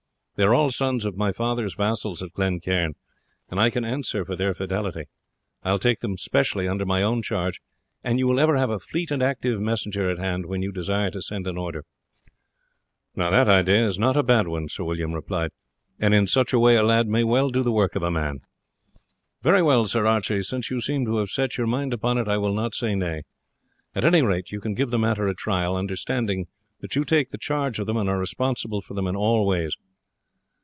They are all sons of my father's vassals at Glen Cairn, and I can answer for their fidelity. I will take them specially under my own charge, and you will ever have a fleet and active messenger at hand when you desire to send an order." "The idea is not a bad one," Sir William replied; "and in such a way a lad may well do the work of a man. Very well, Sir Archie, since you seem to have set your mind upon it I will not say nay. At any rate we can give the matter a trial, understanding that you take the charge of them and are responsible for them in all ways.